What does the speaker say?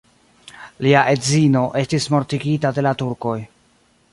Lia edzino estis mortigita de la turkoj.